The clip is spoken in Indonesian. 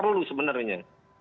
saya perlu sebenarnya